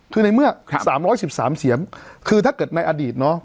คือในเมื่อครับสามร้อยสิบสามเสียงคือถ้าเกิดในอดีตเนอะ